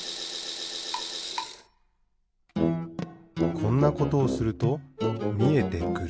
こんなことをするとみえてくる。